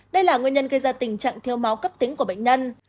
đây là nguyên nhân gây ra tình trạng thiếu máu cấp tính của bệnh nhân